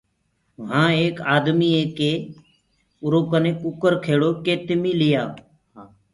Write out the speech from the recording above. وهآن ايڪ آدمي هي ڪي اُرو ڪني ڪٚڪَر کيڙو هي ڪي تمي لِيآئو۔